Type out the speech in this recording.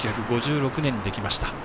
１９５６年にできました。